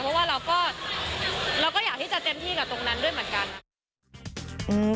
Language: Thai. เพราะว่าเราก็อยากที่จะเต็มที่กับตรงนั้นด้วยเหมือนกัน